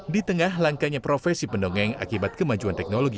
di tengah langkanya profesi pendongeng akibat kemajuan teknologi